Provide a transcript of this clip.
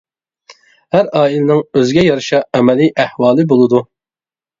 ھەر ئائىلىنىڭ ئۆزىگە يارىشا ئەمەلىي ئەھۋالى بولىدۇ!